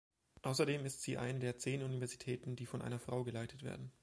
Außerdem ist sie eine der zehn Universitäten, die von einer Frau geleitet werden.